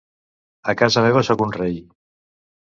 A casa meva soc un rei.